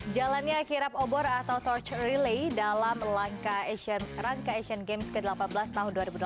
jalannya kirap obor atau torch relay dalam rangka asian games ke delapan belas tahun dua ribu delapan belas